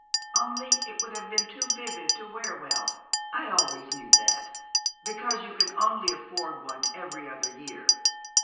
Only, it would have been too vivid to wear well I always knew that because you can only afford one every other year.